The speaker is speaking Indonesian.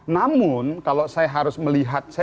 namun kalau saya harus melihat